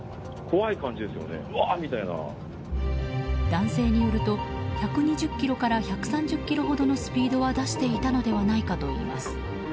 男性によると１２０キロから１３０キロほどのスピードは出していたのではないかといいます。